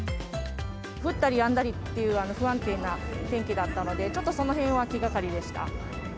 降ったりやんだりっていう不安定な天気だったので、ちょっとそのへんは気がかりでした。